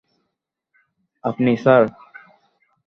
আপনি, স্যার!